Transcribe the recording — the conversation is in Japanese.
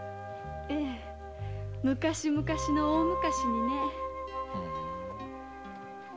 えぇ昔昔大昔にね。